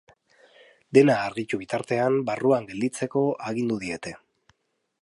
Dena argitu bitartean, barruan gelditzeko agindu diete.